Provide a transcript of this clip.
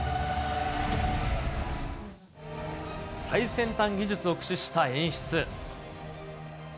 最先端技術を駆使した演出。